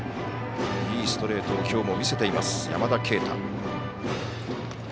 いいストレートをきょうも見せている山田渓太。